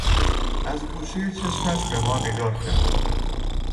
از گوشهی چشمش به ما نگاه کرد.